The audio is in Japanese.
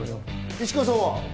石川さんは？